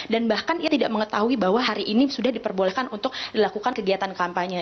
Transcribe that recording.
dan bahkan ia tidak mengetahui bahwa hari ini sudah diperbolehkan untuk dilakukan kegiatan kampanye